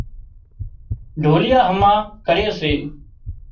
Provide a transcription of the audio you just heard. ڍوليئا هما ڪري سي